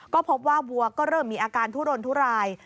ก็พบว่าวัวก็เริ่มมีอาการทุรนทุราย